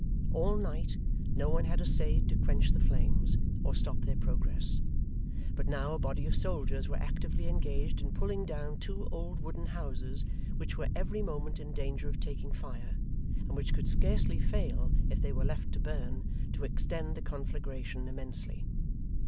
All night, no one had essayed to quench the flames, or stop their progress; but now a body of soldiers were actively engaged in pulling down two old wooden houses, which were every moment in danger of taking fire, and which could scarcely fail, if they were left to burn, to extend the conflagration immensely.